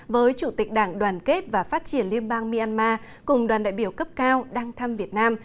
với chủ tịch đảng đoàn kết và phát triển liên bang myanmar cùng đoàn đại biểu cấp cao đang thăm việt nam